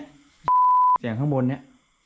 ไอ้เสียงข้างบนนี่